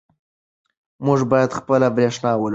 موږ باید خپله برښنا ولرو.